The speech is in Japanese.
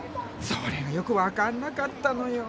それがよく分かんなかったのよ。